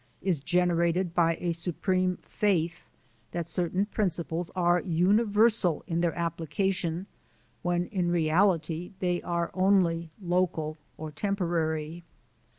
is generated by a supreme faith that certain principles are universal in their application when in reality they are only local or temporary.